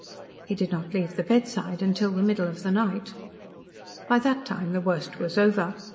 He did not leave the bedside until the middle of the night. By that time the worst was over.